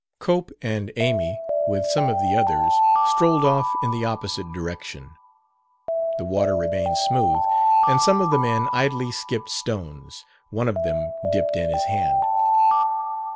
Cope and Amy, with some of the others, strolled off in the opposite direction. The water remained smooth, and some of the men idly skipped stones. One of them dipped in his hand.